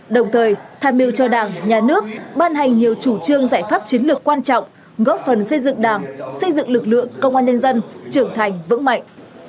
đồng thời tham mưu cho đảng nhà nước ban hành nhiều chủ trương giải pháp chiến lược quan trọng góp phần xây dựng đảng xây dựng lực lượng công an nhân dân trưởng thành vững mạnh